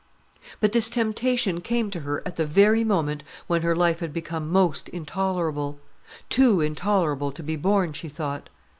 But this temptation came to her at the very moment when her life had become most intolerable; too intolerable to be borne, she thought.